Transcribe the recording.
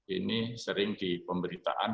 ini sering di pemberitaan